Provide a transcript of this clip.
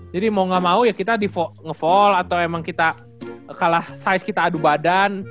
jadi mau ga mau ya kita ngefall atau emang kita kalah size kita adu badan